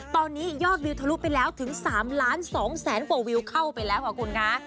ตอนนี้ยอดวิวทะลุไปแล้วถึง๓ล้าน๒แสนกว่าวิวเข้าไปแล้วค่ะคุณคะ